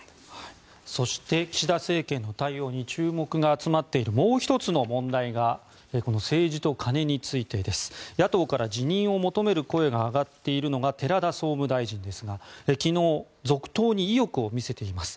そして岸田政権の対応に注目が集まっているもう１つの問題がこの、政治と金についてです。野党から辞任を求める声が上がっているのが寺田総務大臣ですが昨日続投に意欲を見せています。